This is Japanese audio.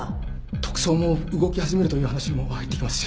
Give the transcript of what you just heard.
特捜も動き始めるという話も入ってきますし。